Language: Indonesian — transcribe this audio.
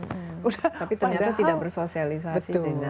tapi ternyata tidak bersosialisasi